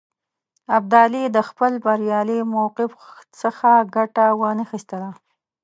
ابدالي د خپل بریالي موقف څخه ګټه وانه خیستله.